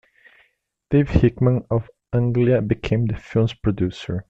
David Hickman, of Anglia, became the film's producer.